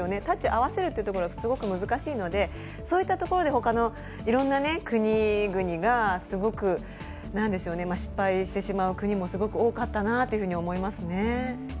タッチを合わせるというところがすごく難しいのでそういったところでほかのいろんな国々がすごく失敗してしまう国がすごく多かったなと思いますね。